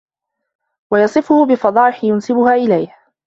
وَيَصِفُهُ بِفَضَائِحَ يَنْسُبُهَا إلَيْهِ